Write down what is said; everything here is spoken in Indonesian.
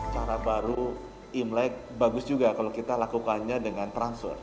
cara baru imlek bagus juga kalau kita lakukannya dengan transfer